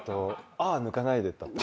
「ああぬかないで」だった。